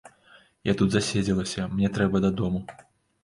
Я тут заседзелася, мне трэба дадому.